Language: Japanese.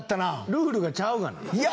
ルールがちゃうがな。